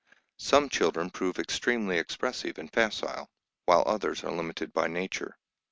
Some children prove extremely expressive and facile, while others are limited by nature.